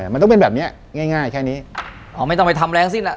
มันต้องเป็นแบบนี้ง่ายแค่นี้อ๋อไม่ต้องไปทำแรงสิ้นแล้ว